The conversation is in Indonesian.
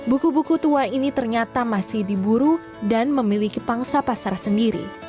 buku buku tua ini ternyata masih diburu dan memiliki pangsa pasar sendiri